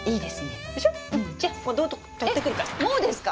えっもうですか？